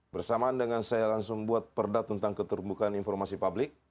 bersamaan dengan saya langsung buat perda tentang keterbukaan informasi publik